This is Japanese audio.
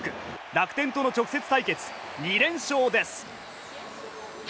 楽天との直接対決２連勝です。